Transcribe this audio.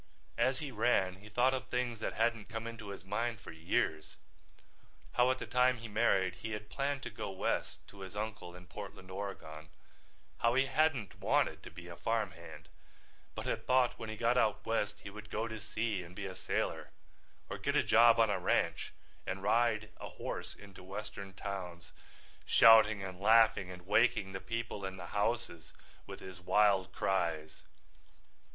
As he ran he thought of things that hadn't come into his mind for years—how at the time he married he had planned to go west to his uncle in Portland, Oregon—how he hadn't wanted to be a farm hand, but had thought when he got out West he would go to sea and be a sailor or get a job on a ranch and ride a horse into Western towns, shouting and laughing and waking the people in the houses with his wild cries.